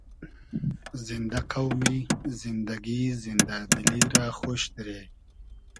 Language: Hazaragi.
زیندۂ قۆمی ، زیندئگی ، زیندۂ دیلی رۂ خۉش دیرې